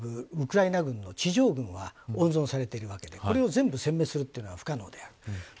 ウクライナ軍の地上軍は温存されているわけでこれを全部殲滅するのは不可能である。